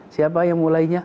siapa yang mulainya